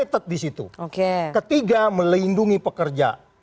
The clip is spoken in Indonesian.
ketiga melindungi pekerja